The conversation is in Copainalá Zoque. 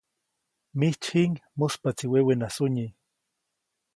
Mijtsyjiʼŋ, muspaʼtsi wewena sunyi.